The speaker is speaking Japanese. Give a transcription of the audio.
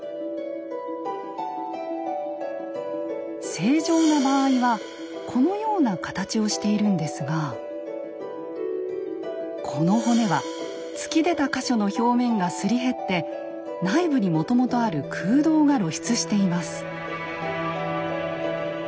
正常な場合はこのような形をしているんですがこの骨は突き出た箇所の表面がすり減って内部にもともとある空洞が露出しています。